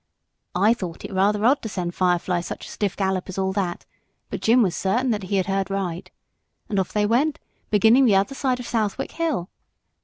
I thought it rather odd to send Firefly such a stiff gallop as all that, but Jim was certain that he had heard right. And off they went, beginning the other side of Southwick Hill.